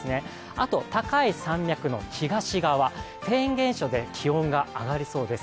あと高い山脈の東側フェーン現象で気温が上がりそうです。